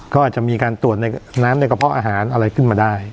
ก็อาจจะมีการตรวจในน้ำในกระเพาะอาหารอะไรขึ้นมาได้